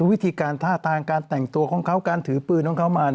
วิธีการท่าทางการแต่งตัวของเขาการถือปืนของเขามา